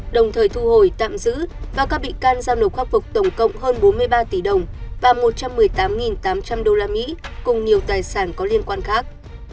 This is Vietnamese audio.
đồng thời thu hồi tạm giữ và các bị can giao nộp khắc phục tổng cộng hơn bốn mươi ba tỷ đồng và một trăm một mươi tám tám trăm linh usd cùng nhiều tài sản có liên quan khác